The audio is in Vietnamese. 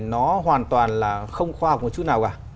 nó hoàn toàn là không khoa học một chút nào cả